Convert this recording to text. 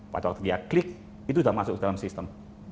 pada waktu dia klik itu sudah masuk dalam sistem